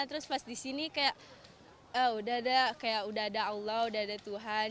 terus pas di sini kayak udah ada allah udah ada tuhan